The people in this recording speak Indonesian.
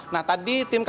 nah tadi tim kata